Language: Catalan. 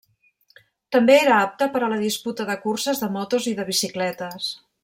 També era apte per a la disputa de curses de motos i de bicicletes.